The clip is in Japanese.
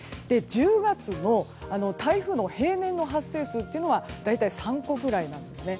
１０月の台風の平年の発生数というのは大体３個ぐらいなんですね。